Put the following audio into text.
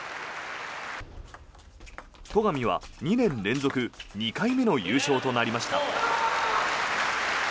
戸上は、２年連続２回目の優勝となりました。